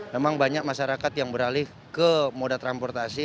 memang banyak masyarakat yang beralih ke moda transportasi